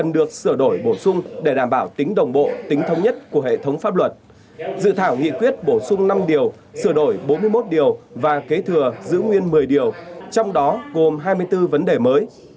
dự thảo nghị quyết bổ sung năm điều sửa đổi bốn mươi một điều và kế thừa giữ nguyên một mươi điều trong đó gồm hai mươi bốn vấn đề mới